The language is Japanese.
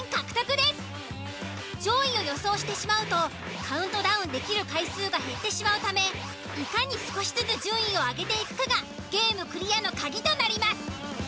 上位を予想してしまうとカウントダウンできる回数が減ってしまうためいかに少しずつ順位を上げていくかがゲームクリアの鍵となります。